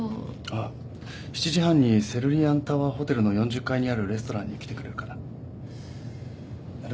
あぁ７時半にセルリアンタワーホテルの４０階にあるレストランに来てくれるかな。